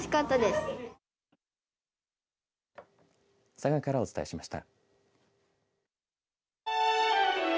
佐賀からお伝えしました。